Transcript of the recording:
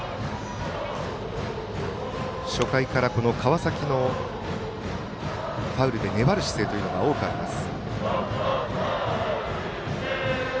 初回から、川崎のファウルで粘る姿勢が多くあります。